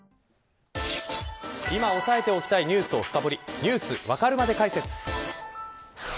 今押さえておきたいニュースを深掘りＮｅｗｓわかるまで解説。